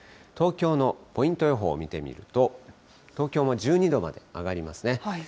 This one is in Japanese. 東京のポイント予報見てみると、東京も１２度まで上がりますね。